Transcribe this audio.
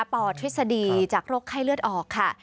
ปทฤษฎีจากโรคไข้เลือดออกค่ะ